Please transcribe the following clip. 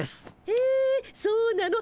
へえそうなの？